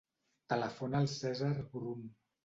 Telefona al Cèsar Brun.